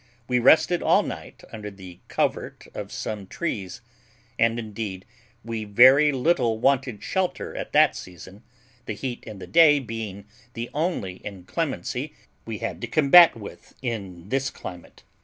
We rested all night under the covert of some trees, and indeed we very little wanted shelter at that season, the heat in the day being the only inclemency we had to combat with in this climate.